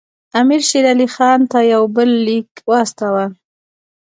امیر شېر علي خان ته یو بل لیک واستاوه.